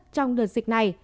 trong đợt dịch này